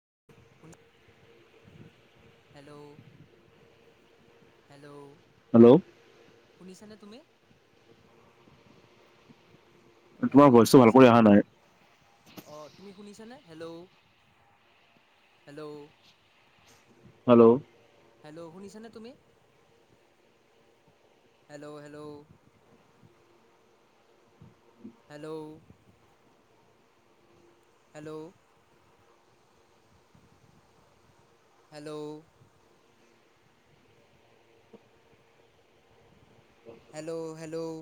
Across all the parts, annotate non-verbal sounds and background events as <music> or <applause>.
<unintelligible> Hello hello. Hello. শুনিছানে তুমি? তোমাৰ হেল্ল', ভইচটো ভাল শুনিছ কৰি নে? অহা নাই অ' তুমি শুনিছেনে হেল্ল', হেল্ল'। হেল্ল'। হেল্ল' শুনিছানে তুমি? Hello hello. Hello. Hello. Hello. Hello hello.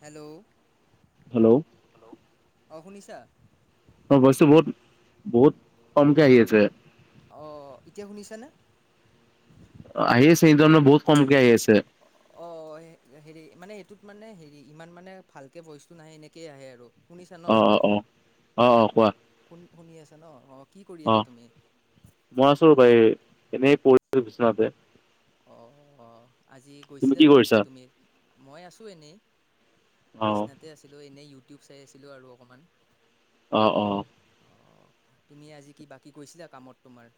Hello. Hello hello, অ' শুনিছা? অ' ভইচটো বহুত বহুত কমকে আহি আছে। অ' এতিয়া শুনিছানে? আহি আছে এদ'ন বহুত কমকে আহি আছে। অ'। হেৰি মানে এইটোত মানে হেৰি ইমান মানে ভালকে ভইচটো নাহে, এনেকেই আহে আৰু। শুনিছা ন অ', অ', অ', অ', কোৱা। শুন শুনি আছে ন' অ' কি কৰি আছা অ' তুমি মই আছো ৰ'বা এই এনেই পৰিছো বিচনাতে। অ আজি তুমি গৈছিলা বা কি কৰিছা তুমি, মই আছোঁ এনেই অ বিচনাতে আছিলোঁ এনেই ইউ ইউটিউব চাই আছিলো আৰু অকমান। অ', অ'। অ' তুমি আজি কি বাকী গৈছিলা কামত তোমাৰ?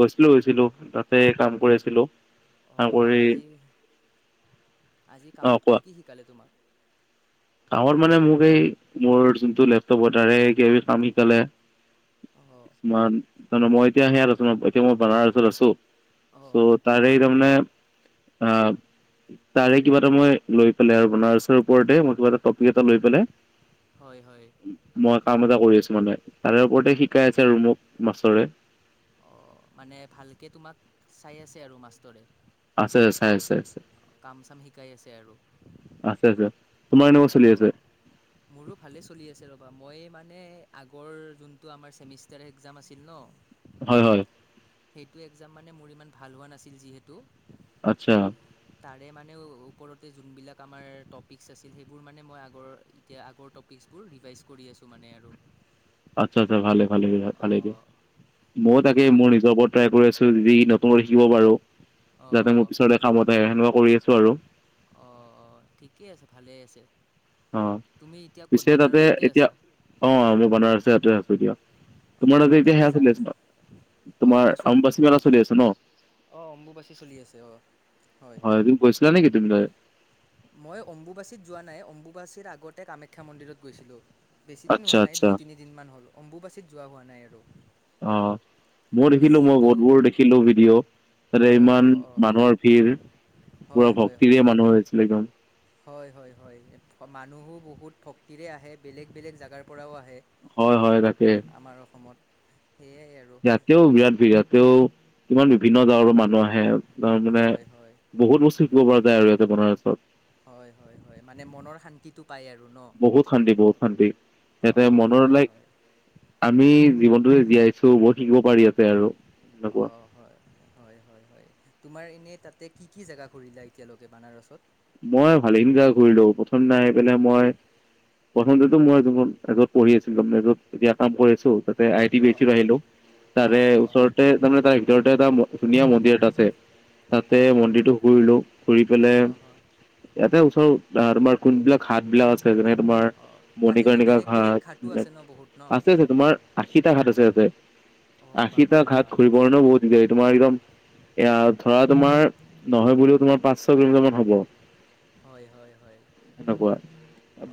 গৈছিলো গৈছিলো, তাতে কাম কৰি আছিলো, কাম অঁ কৰি আজি আজি অ কামত কি কোৱা কি শিকালে তোমাক? কামত মানে মোক এই মোৰ যোনটো লেপটপৰ তাৰে কিবা কিবি কাম শিকালে। অঁ তোমাৰ তাৰে মই এতিয়া সেয়াত আছোঁ এতিয়া মই বানাৰসত ওচৰত আছোঁ। অঁ অ', তাৰে এই তাৰমানে অ', তাৰে কিবা এটা মই লৈ পেলাই আৰু বনাৰছৰ ওপৰতে মই কিবা এটা পিক এটা লৈ পেলাই হয় হয় মই কাম এটা কৰি কিছুমানে তাৰে ওপৰতে শিকাই আছে ৰুমক মাছৰে। অ', মানে ভালকে তোমাক চাই আছে আৰু মাষ্টৰে। আছে, আছে, আছে, আছে। কাম চাম শিকাই আছে আৰু। আছে আছে তোমাৰ এনেকুৱা চলি আছে অ' মোৰো ভালে চলি আছে ৰ মই মানে আগৰ যোনটো আমাৰ চেমিষ্টাৰ একযাম আছিল ন' হয় হয়। সেইটো একজাম মানে মোৰ ইমান ভাল হোৱা নাছিল যিহেতু আচ্ছা। তাৰে মানে ওপৰতে যোনবিলাক আমাৰ টপিকচ আছে সেইবোৰ মানে মই আগৰ এতিয়া আগৰ টপিকছবোৰ ৰিভাইজ কৰি আছোঁ মানে আৰু আচ্ছা আচ্ছা ভালে ভালে ভালে দে অঁ ময়ও তাকে সেইটোৱে মোৰ আৰু নিজৰ ওপৰত ট্ৰাই কৰি আছো যি ত শিকিব পাৰো। যাতে অঁ মোৰ পিছতে কামত আহে সেনেকুৱা কৰি আছো আৰু অঁ অঁ ঠিকেই আছে ভালেই আছে। অ', তুমি এতিয়া ক'ত পিছে তাতে বানাৰসতে এতিয়া আছা অ মই বনাৰস তাতে আছো দিয়ক। তোমাৰ তাতে অঁ এতিয়া সেয়া যা চলি আছে ন। তোমাৰ অম্বাচী মেলা চলি আছ ন। আহ অম্বুবাচী চলি আছে আহ হয়। তুমি গৈছিলা নেকি তুমি তাতে মই অম্বুবাচীত যোৱা নাই অম্বুবাচীৰ আগতে কামাখ্যা মন্দিৰত গৈছিলোঁ। বেছি দিন আচ্ছা হোৱা নাই আচ্ছা দুই তিনি দিন মান হল অম্বুবাচীত যোৱা হোৱা নাই আৰু অ', মই মানে দেখিলো মই যিহেতু বহুতবোৰ দেখিলো ভিডিঅ' তাতে অঁ ইমান অঁ অঁ মানুহৰ ভিৰ হয় পুৰা হয় হয় ভক্তিৰৰে মানুহ হৈছিল একদম হয়, হয়, হয় মানুহো বহুত ভক্তিৰে আহে বেলেগ বেলেগ জগাৰ পৰাও আহে। হয়, হয় তাকে। আমাৰ অসমত সেয়াই আৰু ইয়াতেও বিৰাট ভিৰ ইয়াতেও ইমান বিভিন্ন গাঁৱৰ মানুহ আহে। হে তাৰ মানে হয় হয় বহুত বস্তু শিকিব পৰা যায় আৰু এতে বনাৰছত। হয়, হয়, হয় মানে মনৰ শান্তি বহুত শান্তি বহুত শান্তি ইয়াতে অঁ মনৰ হয় লাইক হয় আমি জীৱনটো যে জীয়াইছো বহুত শিকিব পাৰি ইয়াতে আৰু এনেকুৱা অ', হয়, হয়, হয়, হয় তোমাৰ এনে তাতে কি কি জোগা ঘূৰিলা এতিয়ালৈকে বানাৰসত মই ভালে সিন গা ঘূৰিলো প্ৰথম নাই পেলাই মই প্ৰথমতেতো মইখন এজত পঢ়ি আছিলো এজত এতিয়া কাম কৰি আছো ত বি অঁ অঁ ৰিলো অঁ তাৰে অঁ অঁ ওচৰতে ত ভিত এটাুনিয়া ম মন্দিৰত আছে তাতে হয় মন্দিৰটো ঘুৰিলো ঘুৰি পেলাই অঁ হয় ইয়াতে ওচৰ আমাৰ কোনবিলাক ঘাট বিলাক আছে যেনে তোমাৰ অঁ তাতেতো মণিৰ্কণিকা বেলেগ বেলেগ ঘাটো ঘাট আছে ন বহুত ন আছে আছে তোমাৰ আশীটা ঘাট আছে। অঁ আশীটা বাপৰে ঘাট বাপ ঘুৰিবৰণেও বহুত দি তোমাৰ একদম এয়া ধৰা তোমাৰ নহয় বুলিও তোমাৰ পাঁচ ছ কিলোমিটাৰ মান হ'ব। হয়, হয়, হয়। সেনেকুৱা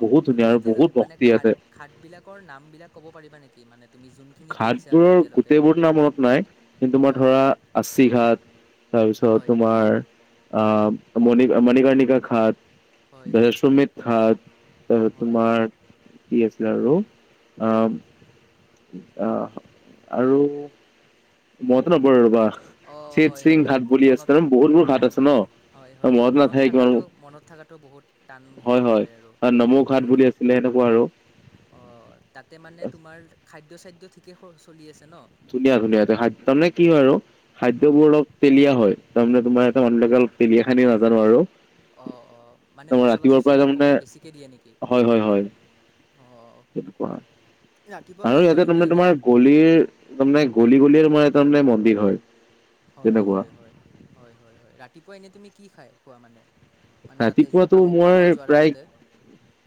অ', বহুত ধুনীয়া তুমি আৰু বহুত এতিয়ালৈকে মানে ভক্তি খাট ইয়াতে খাট বিলাকৰ নাম বিলাক ক'ব পাৰিবা নেকি মানে? তুমি যোনখিনি ঘূৰিছা আৰু ঘাটবোৰৰ এতিয়ালৈকে গোটেইবোৰ ন মনত নাই কিন্ত তোমাৰ অঁ হয় ধৰা হয় আশী ঘাট তাৰপিছত হয় তোমাৰ আহ মণি মণিৰ্কণিকা হয় হয় ঘাট। শমিক ঘাত হয় হয় তোমাৰ কি আছিলে আৰু অ' অ' আৰু মইতো নকৰু ৰ'বা। অঁ হয় চ্বেেত হয় সিং হয় ঘাট বুলি আছে মনত আৰু বহুত বোৰ মন ঘাট আছে ন। হয়, হয়, হয়, মনত নাথাকে কিমান থকাটো মনত থকাটো বহুত টান সেইটো হয় আৰু নমৌ ঘাট আৰু <unintelligible> অ' তাতে মানে তোমাৰ খাদ্য চাদ্য ঠিকে চলি আছে ন। ধুনীয়া ধুনীয়া ত খাদ্য তাৰমানে কি হয় আৰু খাদ্য অঁ বোৰ অলপ তেলীয়া হয়। তাৰমানে তোমাৰ এটা <unintelligible> নাজানো আৰু। অ', অ', মানে তোমাৰ মছলা ৰাতিপুৱাৰ পৰাই মছলা তাৰমানে অকমান বেছিকে দিয়ে নেকি? অঁ সেটো ক ৰাতিপুৱা কি আৰু খোৱা ইয়াতে তুমি তাৰমানে এনে তোমাৰ গলিৰ তাৰে মানে গলি গলিয়িৰ মানে তাৰমানে মন্দিৰ হয়। হয়, তেনেকুৱা হয় ৰাতিপুৱা এনে তুমি কি খাই খোৱা মানে। মানে তাতে যোৱা ৰাতিপুৱাতো কামত মই কামত যোৱাৰ প্ৰায় আগতে।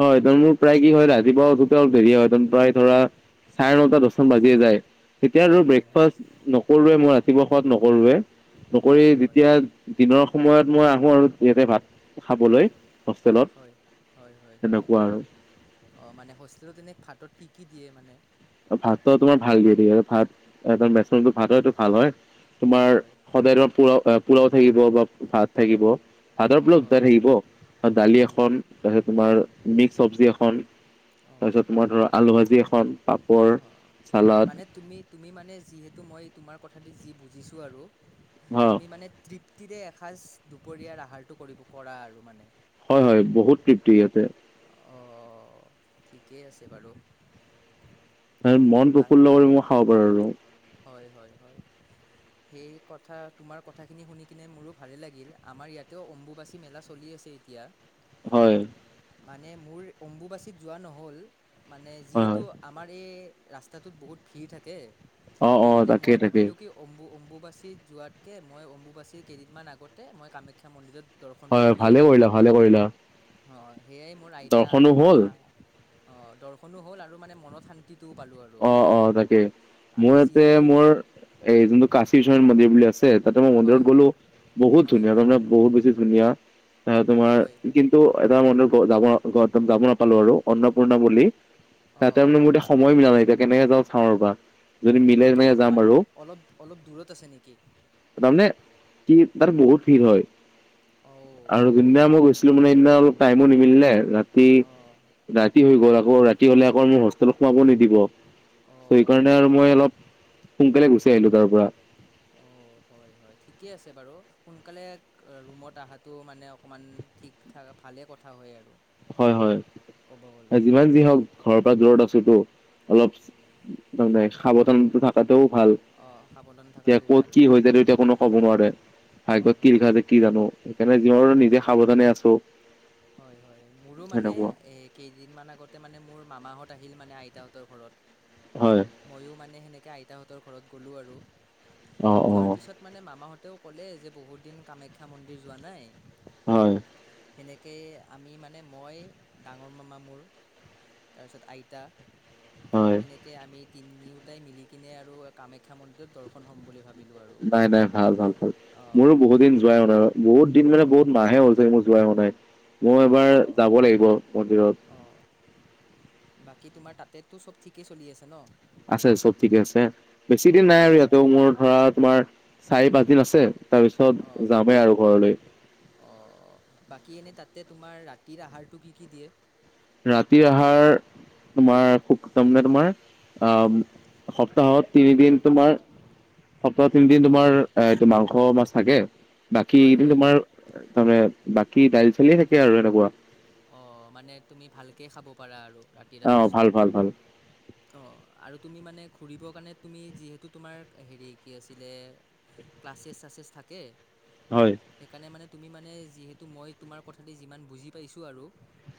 হয় কাৰণ মোৰ প্ৰায় কি হয় ৰাতিপুৱা উঠুতে অলপ দেৰিয়ে হয়। প্ৰায় ধৰা চাৰে নটা দছ টা মান বাজিয়ে যায়। তেতিয়া আৰু হয় হয় হয় ব্ৰেকফাষ্ট নকৰোৱে মই ৰাতিপুৱা খোৱাত নকৰোৱে। নকৰি হয় হয় যেতিয়া দিনৰ সময়ত মই আহো আৰু ইয়াতে ভাত খাবলৈ। অ' হোষ্টেলত হয়, হয়, হয়, হয়, তেনেকুৱা আৰু অ' মানে হোষ্টেলত এনে ভাতত কি কি কি দিয়ে মানে। ভাতত তোমাৰ ভাল দিয়ে ভাত বেচ ভাতো এইটো ভাল হয়। হয় তোমাৰ হয় সদায় ধৰা পোৰা পোলাও থাকিব বা ভাত থাকিব। আদাৰ অঁ বোলক হয় চাই থাকিব দালি হয় এখন তাৰপিছত তোমাৰ মিক্স চবজি এখন। অঁ তাৰপিছত তোমাৰ ধৰা আলু ভাজি এখন। পাপৰ অঁ চালাদ মানে তুমি তুমি মানে যিহেতু মই তোমাৰ কথা দি যি বুজিছোঁ আৰু হা তুমি মানে তৃপ্তিৰে এসাঁজ দুপৰীয়াৰ আহাৰটো কৰিব কৰা আৰু মানে। হয়, হয়, বহুত তৃপ্তি ইয়াতে। অঁ ঠিকেই আছে বাৰু। মন বা প্ৰফুল্ল কৰি মই খাব পাৰো আৰু হয়, হয়, হয়। সেই কথা তোমাৰ কথাখিনি শুনি কিনে মোৰো ভালে লাগিল আমাৰ ইয়াতেও অম্বুবাচী মেলা চলি আছে। এতিয়া। হয়। মানে মোৰ অম্বুবাচীত যোৱা নহ'ল মানে হয় যিহেতু হয় আমাৰ এই ৰাস্তাটোত বহুত ভিৰ থাকে অ অ সেইকাৰণে তাকে মই তাকে ভাবিলো কি অম্বু অম্বু বা বাচিত যোৱাতকৈ মই অম্বুবাচীৰ কেইদিনমান আগতে মই কামাখ্যা মন্দিৰত দৰ্শনটো হয়, হয়, ভালে কৰিলা ভালে কৰিলা। অ' সেয়াই মোৰ আইতা আৰু দৰ্শনো মামা হ'ল দৰ্শনো হ'ল আৰু মানে মনত শান্তিত পালোঁ আৰু। অ', অ', তাকে আৰু মোৰ ইয়াতে যিহেতু মোৰ এই যোনটো কাশী যোৱা মন্দিৰ বুলি আছে তাতে মই হয় মন্দিৰত হয় গ'লো বহত হয় ধুনীয়া হয় তাৰমানে বহুত বেছি ধুনীয়া। তোমাৰ হয় কিন্তু এটা মন্দিৰ যাব যাব নাপালো আৰু অন্নপূৰ্ণা বুলি। অঁ তাতে অঁ মানে মোৰ অঁ এতিয়া সময় মিলা নাই। এতিয়া কেনেকে যাওঁ চাওঁ ৰ'বা যদি মিলে সেইটো কি তেনেকে যাম অকণমান আৰু অলপ অলপ দূৰত আছে নেকি? মানে কি তাত বহুত ভিৰ হয় অ আৰু যোন দিনা মই গৈছিলো মানে না অলপ টাইমো নিমিলিলে ৰাতি অ ৰাতি হৈ গ'ল আকৌ ৰাতি হলে আকৌ মোৰ সোমাব নিদিব' অ অ সেইকাৰণে আৰু মই অলপ সোনকালে গুচি আহিলো তাৰ পৰা। অ' হয়, হয়, ঠিকে আছে বাৰু সোনকালে ৰুমত অহাটো মানে অকমান ঠিক ঠাক ভালে এ কথা হয় আৰু। হয়, হয়, ক'ব গ'লে যিমান যি হওক ঘৰৰ পৰা দূৰত আছোতো। অলপ ত হয় সাৱধানতা থকাতেও ভাল। অঁ সাৱধান এতিয়া থকাটো ক'ত ভাল কি হৈ যায় এতিয়া কোনো ক'ব নোৱাৰে, অঁ ভাগ্যত কি লিখা যে কি জানো। সেইকাৰণে ৰ নিজে সাৱধানে আছো। হয় হয় মোৰো মানে সেনেকুৱা। এ কেইদিন মমান আগতে মানে মোৰ মামাহঁত আহিল মানে আইতাহঁতৰ হয় ঘৰত ময়ো মানে সেনেকে আইতাহঁতৰ ঘৰত গ'লোঁ আৰু। অ অ যোৱাৰ পিছত মানে মামাহঁতেও ক'লে যে বহুত দিন কামাখ্যা মন্দিৰ যোৱা নাই হয়। তাকে আমি মানে মই ডাঙৰ মামা মোৰ তাৰপিছত আইতা হয় সেনেকে আমি তিনিওটাই মিলি কিনে আৰু কামাখ্যা মন্দিৰত দৰ্শন হ'ম বুলি ভাবি নাই, নাই, ভাল, ভাল, ভাল। মোৰো বহুত দিন যোৱাই এইটো হুৱা নাই বহুত দিন মানে অঁ বহুত মাহে হৈছে মোৰ যোৱাই হুৱা নাই। মই এবাৰ অঁ যাব লাগিব মন্দিৰত। অঁ বাকী তোমাৰ তাতেতো চব ঠিকেই চলি আছে ন? আছে চব ঠিকে আছে। বেছি দিন নাই অঁ আৰু ইয়াতেও মোৰ ধৰা তোমাৰ চাৰি পাঁচ দিন আছে অঁ তাৰপিছত যামেই আৰু ঘৰলৈ। কি এনে তাতে তোমাৰ ৰাতিৰ আহাৰটো কি কি দিয়ে? ৰাতিৰ আহাৰ তোমাৰ খুব তাৰমানে তোমাৰ আহ সপ্তাহত তিনিদিন তোমাৰ সপ্তাহ তিনিদিন হয় তোমাৰ এ এইটো মাংস মাছ থাকে, বাকী হয় এদিন হয় হয় তোমাৰ তাৰমানে বাকী দাইল চলিয়ে থাকে আৰু এনেকুৱা অ মানে তুমি ভালকে খাব পাৰা আৰু। অ কতিসজটো ভাল ভাল ভাল অ আৰু <unintelligible> তুমি মানে ঘুৰিবৰ কাৰণে তুমি যিহেতু তোমাৰ হেৰি কি আছিলে ক্লাছ চলাচেছ থাকে? হয় সেইকাৰণে মানে তুমি মানে যিহেতু মই তোমাৰ কথাতে যিমান বুজি পাইছোঁ আৰু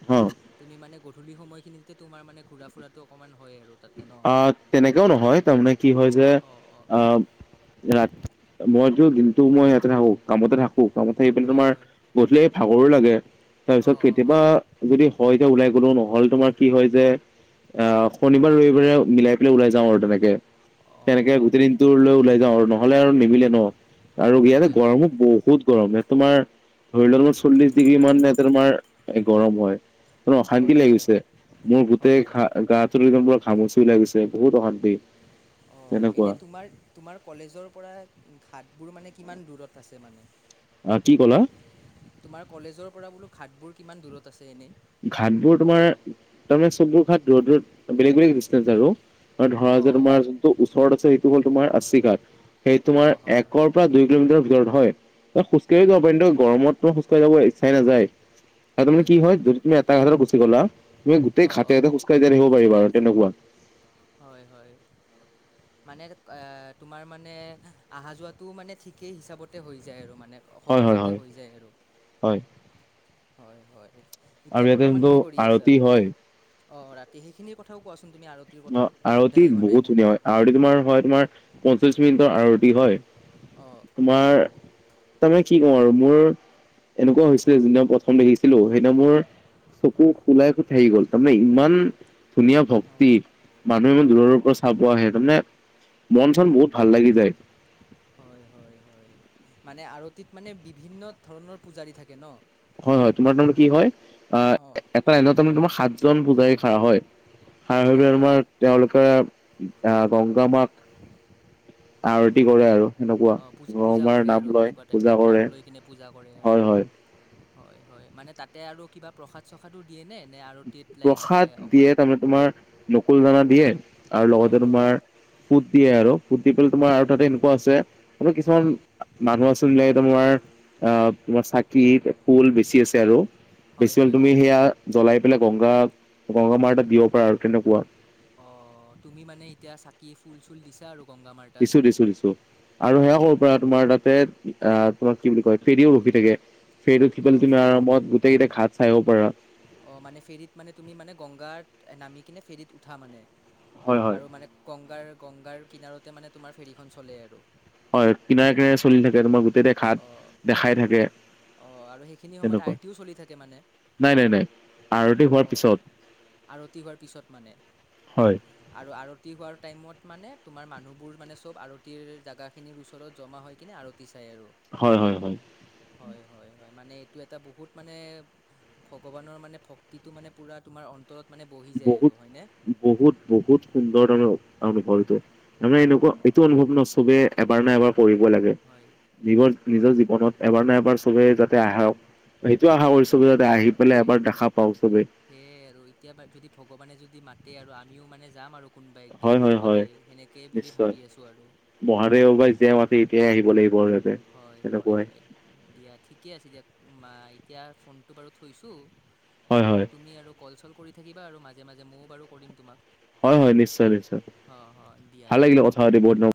অ তুমি মানে গধূলি সময়খিনিতে তোমাৰ মানে ঘুৰা ফুৰাতটো অকমান আহ তেনেকেও নহয়, তাৰমানে কি হয় যে অ', অ'। আহ ৰাত মইতো দিনতো টো মই ইয়াতে থাকো কামতে থাকো কামত থাকি হয় তোমাৰ হয় গধূলি ভাগৰো লাগে। তাৰপিছত অ', অ', কেতিয়াবা হয় যদি হয় এতি ওলাই গলো নহ'লে তোমাৰ কি হয় যে আহ শনিবাৰ ৰবিৰে মিলাই পেলাই ওলাই যাওঁ আৰু তেনেকে। তেনেকে অ', গোটেই এন দিনটো লৈ ওলাই যাওঁ আৰু নহলে আৰু নিমিলে ন। আৰু ইয়াতে হয় হয় গৰমো হয় বহুত গৰম, ইয়াত তোমাৰ ধৰি লোৱা তোমাৰ চল্লিশ ডিগ্ৰী মান ইয়াতে তোমাৰ গৰম হয়। হয় অশান্তি লাগি হয় গৈছে, মোৰ হয় গোটেই হয় ঘা হয় গাত ঘামুচিওলাই গৈছে বহুত অশান্তি অ, তেনেকুৱা এনে তোমাৰ তোমাৰ কলেজৰ পৰা ঘাটবোৰ মানে কিমান দূৰত আছে মানে? আহ কি ক'লা তোমাৰ কলেজৰ পৰা বোলো ঘাটবোৰ কিমান দূৰত আছে এনে? ঘাটবোৰ তোমাৰ, তাৰমানে চববোৰ ঘাট দুৰত দুৰত বেলেগ বেলেগ ডিষ্টেঞ্চ আৰু ধৰা অ', জাৰ তোমাৰ অ'। যোনটো ওচৰত আছে সেইটো হ'ল তোমাৰ আশী ঘাত সেই তোমাৰ অঁ হয় হয় একৰ পৰা দুই কিলোমিটাৰ হয় খোজ কাঢ়ি হয় যাব পাৰি হয় কিন্তু গৰমতো খোজ কাঢ়ি যাবলৈ ইচ্ছাই নাযায়। আৰু তাৰমানে কি হয় তুমি এটা ঘাটত গুচি গ'লা তুমি গোটেই অঁ ঘাটতে অঁ এতে খোজকাঢ়িয়াই ৰাখিব পাৰিবা আৰু তেনেকুৱা হয়-হয়। মানে তোমাৰ মানে অহা যোৱাতটো মানে ঠিকেই হিচাপতে হৈ যায় আৰু মানে মনে হয় হয় সহজতে হয় হৈ যায় আৰু, হয় হয়-হয়। আৰু ইয়াতে যোনটো আৰতি হয় অ, ৰাতি সেইখিনিৰ কথাও কোৱাছোন। অ, আৰতি বহুত ধুনীয়া হয়, আৰতি তোমাৰ হয় তোমাৰ পঞ্চ্লিশ মিনিটৰ আৰতি হয়। অঁ তোমাৰ তাৰমানে কি কওঁ আৰু মোৰ এনেকুৱা হৈছিলে যোনদিনা প্ৰথম দেখিছিলো সেইদিনা মোৰ চকু খোলাই কৈ থাকি গ'ল তাৰমানে ইমান ধুনীয়া অঁ ভক্তি! মানুহ ইমান দূৰৰ পৰা চাব আহে তাৰমানে মন চন বহুত ভাল লাগি যায় হয়-হয়-হয়- হয়। মানে আৰতিত মানে বিভিন্ন ধৰণৰ পূজাৰী থাকে ন? হয়-হয় তোমাৰ তাৰমানে কি হয়, অঁ আহ এটা এনে তাৰে তোমাৰ সাতজন পূজাৰী খাৰা হয় খাৰা হৈ অঁ পাই অঁ তোমাৰ তেওঁলোকে আহ গংগা মাক <inaudible> আৰতি কৰে হয়, আৰু সেনেকুৱা অ' পুজা গংগা পূজা মাৰ কৰে নাম আৰু লয় সেনেকুৱা টাইপ পূজা নাম কৰে লৈ কিনে পূজা কৰে আৰু হয় হয় হয়-হয় মানে তাতে আৰু কিবা প্ৰসাদ চসাদো দিয়ে নে? নে আৰতিত লাইক প্ৰসাদ অকল দিয়ে তাৰমানে তোমাৰ নকুল দানা দিয়ে। আৰু অঁ লগতে হ তোমাৰ ফুট দিয়ে আৰু ফুট দি তোমাৰ আৰু তাতে এনেকুৱা আছে। কিছুমান অঁ মানুহ আছিল তোমাৰ অ, তোমাৰ চাকি ফুল বেছি আছে আৰু হয় বেছি হয় তুমি হয় সেয়া জ্বলাই গংগা-গংগা মাৰ তাত দিব পাৰাৰে আৰু তেনেকুৱা অ, তুমি মানে এতিয়া চাকি ফুল-চুল দিছা আৰু গংগা মাৰ তাত দিছো-দিছো-দিছো আৰু হয় সেয়া কৰ' হয় পৰা হয় তোমাৰ তাতে আহ তোমাক কি বুলি কয় ফেৰিও ৰখি থাকে। ফেৰত উম, সি পেল অঁ তুমি আৰামত গোটেই কেইটাই ঘাত চাইব পাৰা অঁ মানে ফেৰীত মানে তুমি মানে গংগাত নামি কিনে ফেৰীত উঠা মানে হয় হয় আৰু মানে কংগাৰ গংগাৰ কিনাৰতে মানে তোমাৰ ফেৰীখন চলেই আৰু হয়, কিনাৰে কিনাৰে চলি থাকে তোমাৰ গোটেইতে ঘাট দেখাই থাকে। অ, আৰু সেইখিনি সময়ত তেনেকুৱা আৰটিও চলি থাকে মানে নাই নাই নাই আৰতি হোৱাৰ অ, পিছত আৰতি হোৱাৰ পিছত মানে হয় আৰু আৰতি হোৱাৰ টাইমত মানে তোমাৰ মানুহবোৰ মানে চব আৰতিৰ জোগা খিনিৰ ওচৰত জমা হয় কিনে আৰতি চায় আৰু হয়-হয়-হয়। হয় হয় হয় মানে এইটো এটা বহুত মানে ভগৱানৰ মানে ভক্তিটো মানে পূৰা তোমাৰ অ, বহুত-বহুত-বহুত সুন্দৰ আনে আ ঘৰটো মানে এনেকুৱা এইটো অঁ অনুভৱ ন চবে এবাৰ নে এবাৰ পঢ় লাগে হয় নিজৰ হয় নিজৰ হয় জীৱনত এবাৰ ন এবাৰ চবোতে তে আহক সেইটো আশা কৰি চব যাতে অঁ আহি পেলাই সেয়াই এবাৰ দেখা পাও চবেই সেয়াই আৰু এতিয়া বা যদি ভগৱানে যদি মাতে আৰু আমিও মানে যাম আৰু কোনোবা একদিন সেনেকুৱা হয়-হয়-হয় টাই সেনেকেই বুলি নিশ্চয় ভাবি আছোঁ আৰু মহাদেৱ বা যেতিয়াই মাতি এতিয়া আহি লাগিব ইয়াতে হয় হয় তেনেকুৱাই হয় দিয়া ঠিকে আছে দিয়ক এতিয়া ফোনটো বাৰু থৈছোঁ হয় হয় তুমি আৰু কল চল কৰি থাকিবা আৰু মাজে মাজে ময়ো বাৰু কৰিম তোমাক হয় হয় নিশ্চয় নিশ্চয় হ হ দিয়া ভাল দিয়া। লাগিলে কথা পাতি বহুত